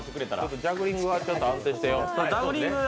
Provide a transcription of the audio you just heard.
ジャグリングはちゃんと安定してよ。